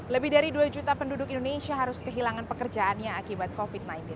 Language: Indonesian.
lebih dari dua juta penduduk indonesia harus kehilangan pekerjaannya akibat covid sembilan belas